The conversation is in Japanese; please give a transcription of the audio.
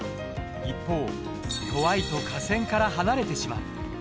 一方弱いと架線から離れてしまう。